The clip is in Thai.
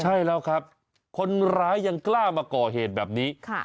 ใช่แล้วครับคนร้ายยังกล้ามาก่อเหตุแบบนี้